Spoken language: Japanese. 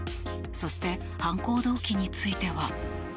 そして、犯行動機については。